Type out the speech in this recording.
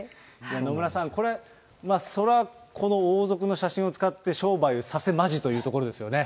野村さん、これ、それはこの王族の写真を使って商売させまじというところですよね。